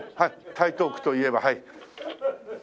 台東区といえばはい。